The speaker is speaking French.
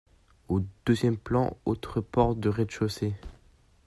Au deuxième plan, autre porte de rez-de-chaussée.